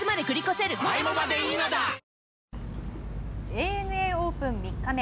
ＡＮＡオープン３日目。